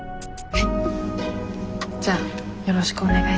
はい。